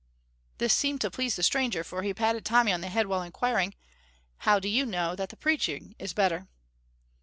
This seemed to please the stranger, for he patted Tommy on the head while inquiring, "How do you know that the preaching is better?"